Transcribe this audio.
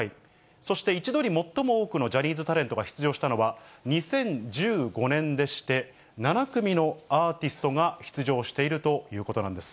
そして一度に最も多くのジャニーズタレントが出場したのは２０１５年でして、７組のアーティストが出場しているということなんです。